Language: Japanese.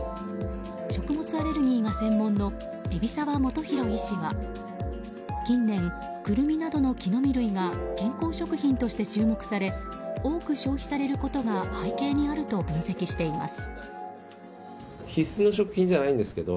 食物アレルギーが専門の海老澤元宏医師は近年クルミなどの木の実類が健康食品として注目され多く消費されることが背景にあると分析しています。